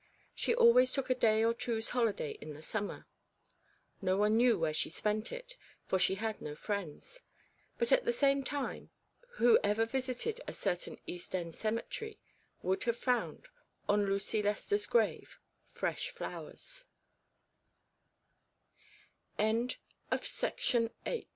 She always took a day or two's holiday in the summer. No one knew where she spent it, for she had no friends ; but at the same time, who ever visited a certain East End cemetery would have found, on Lucy Lester's